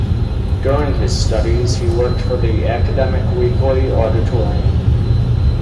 During his studies he worked for the academic weekly "Auditorium".